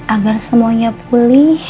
agar semuanya pulih